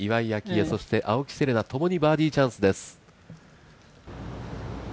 愛、青木瀬令奈、ともにバーディーチャンスです。